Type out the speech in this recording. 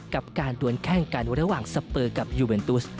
กับการดวนแข้งกันระหว่างสเปอร์กับยูเวนตุส